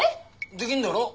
できんだろう。